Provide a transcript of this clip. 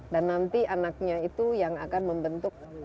dan nanti anaknya itu yang akan membentuk